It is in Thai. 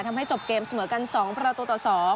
ทำให้จบเกมเสมอกัน๒ประตูต่อ๒